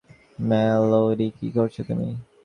Melody, কী করছো তুমি?